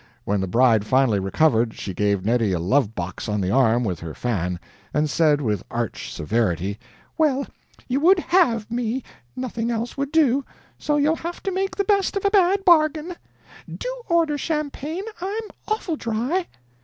When the bride finally recovered, she gave Neddy a love box on the arm with her fan, and said with arch severity: "Well, you would HAVE me nothing else would do so you'll have to make the best of a bad bargain. DO order the champagne, I'm Oful dry."